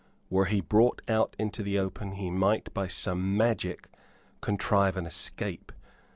Were he brought out into the open, he might, by some magic, contrive an escape.